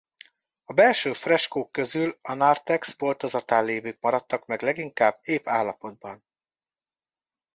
A belső freskók közül a narthex boltozatán lévők maradtak meg leginkább ép állapotban.